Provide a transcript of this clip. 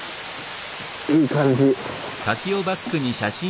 いい感じ。